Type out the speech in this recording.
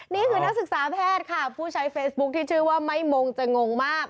นี่คือนักศึกษาแพทย์ค่ะผู้ใช้เฟซบุ๊คที่ชื่อว่าไม่มงจะงงมาก